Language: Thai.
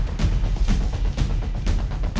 มันอยู่เมืองรอด